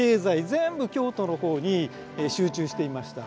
全部京都の方に集中していました。